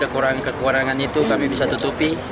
kekurangan kekurangan itu kami bisa tutupi